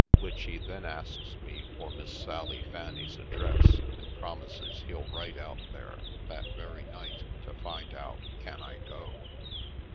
Which he then asks me for Miss Sally Fanny's address and promises he'll write out there that very night to find out can I go.